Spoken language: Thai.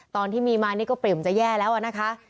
ตอนที่มีมานี่ก็ปริ่มจะแย่แล้วนะคะ